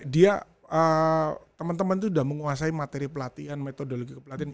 dia teman teman tuh udah menguasai materi pelatihan metodologi pelatihan